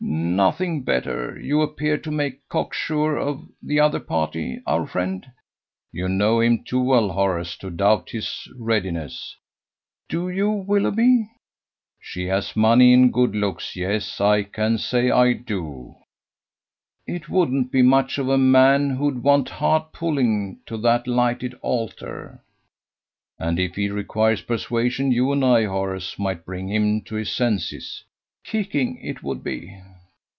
"Nothing better. You appear to make cock sure of the other party our friend?" "You know him too well, Horace, to doubt his readiness." "Do you, Willoughby?" "She has money and good looks. Yes, I can say I do." "It wouldn't be much of a man who'd want hard pulling to that lighted altar!" "And if he requires persuasion, you and I, Horace, might bring him to his senses." "Kicking, 't would be!"